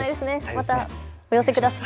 またお寄せください。